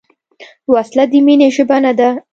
وسله د مینې ژبه نه ده